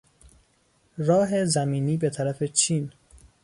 راه زمینی به طرف چین